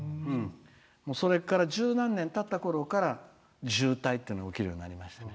それから十何年たったときには渋滞っていうのが起きるようになりました。